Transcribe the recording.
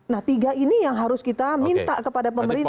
nah tiga ini yang harus kita minta kepada pemerintah